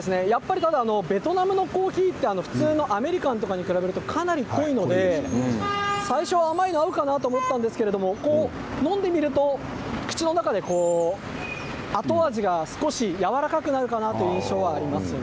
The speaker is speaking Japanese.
ただベトナムのコーヒーってアメリカンに比べるとかなり濃いので甘いのが合うかな？と思ったんですけれども飲んでみると口の中で後味が少しやわらかくなるかなという印象はあります。